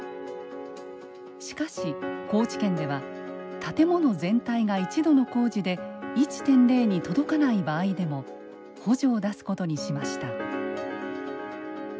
しかし高知県では建物全体が一度の工事で１．０に届かない場合でも補助を出すことにしました。